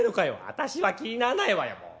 「私は気にならないわよもう。